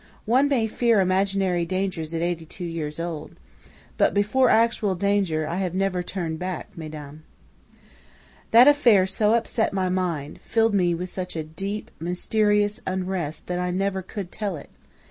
One may fear imaginary dangers at eighty two years old. But before actual danger I have never turned back, mesdames. "That affair so upset my mind, filled me with such a deep, mysterious unrest that I never could tell it.